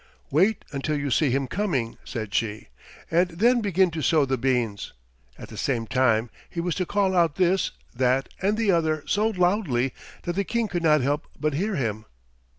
"Wait until you see him coming," said she, "and then begin to sow the beans." At the same time he was to call out this, that, and the other so loudly that the King could not help but hear him.